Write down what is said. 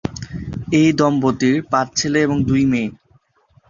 এই দম্পতির পাঁচ ছেলে এবং দুই মেয়ে।